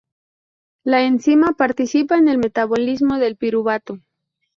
La enzima participa en el metabolismo del piruvato.